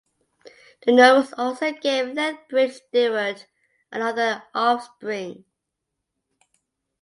The novels also gave Lethbridge-Stewart another offspring.